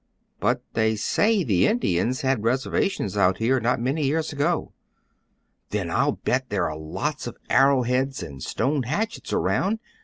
But they say the Indians had reservations out here not many years ago." "Then I'll bet there are lots of arrow heads and stone hatchets around.